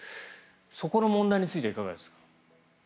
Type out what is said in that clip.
そこの問題についてはいかがですか。